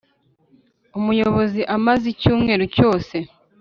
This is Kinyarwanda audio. Umuyobozi amaze icyumweru cyose